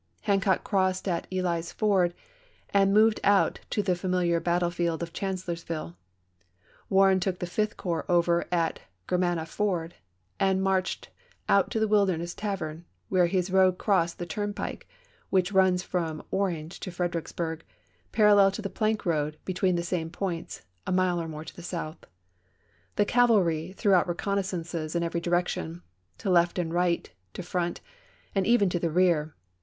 Hancock crossed at Ely's Ford and moved out to the familiar battle field of Chancellorsville ; Warren took the Fifth Corps over at Grermanna Ford, and marched out to Wilderness Tavern where his road crossed the turnpike which runs from Orange to Fredericks bui'g, parallel to the plank road between the same points, a mile or more to the south. The cavalry threw out reconnaissances in every direction: to left and right, to front, and even to the rear.